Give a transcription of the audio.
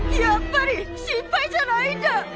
やっぱり心配じゃないんだ！